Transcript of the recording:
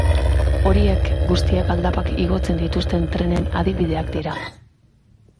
Horiek guztiak aldapak igotzen dituzten trenen adibideak dira.